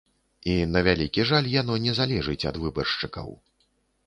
І, на вялікі жаль, яно не залежыць ад выбаршчыкаў.